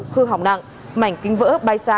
hư hỏng nặng mảnh kính vỡ bay xa